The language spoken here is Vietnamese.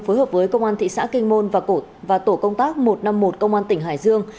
phối hợp với công an thị xã kinh môn và tổ công tác một trăm năm mươi một công an tỉnh hải dương